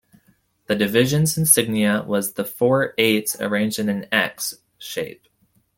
The division's insignia was four 'eights' arranged in an 'X' shape.